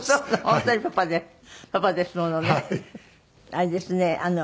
あれですね。